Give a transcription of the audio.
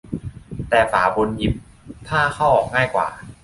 แต่ฝาบนหยิบผ้าเข้าออกง่ายกว่า